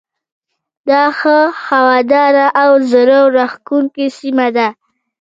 دا ښه هواداره او زړه راکښونکې سیمه ده.